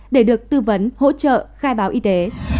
để được tư vấn hỗ trợ khai báo y tế